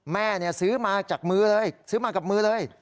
แม่ซื้อมากับมือเลย